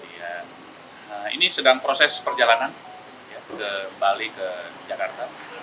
nah ini sedang proses perjalanan sudah balik ke jakarta